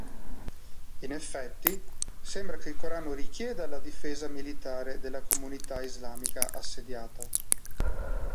In effetti, sembra che il Corano richieda la difesa militare della comunità islamica assediata.